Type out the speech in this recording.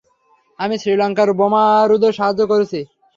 আমি শ্রীলঙ্কার বোমারুদের সাহায্য করেছি।